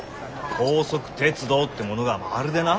高速鉄道ってものがまるでな。